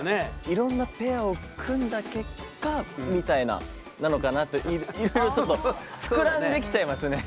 いろんなペアを組んだ結果みたいななのかなというちょっと膨らんできちゃいますね。